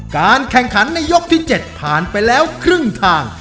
การแข่งขันในยกที่๗ผ่านไปแล้วครึ่งทาง